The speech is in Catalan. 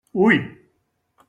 Ui!